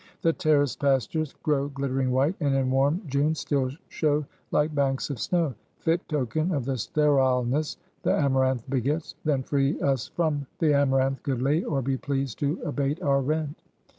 The terraced pastures grow glittering white, and in warm June still show like banks of snow: fit token of the sterileness the amaranth begets! Then free us from the amaranth, good lady, or be pleased to abate our rent!"